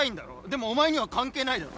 でもお前には関係ないだろ！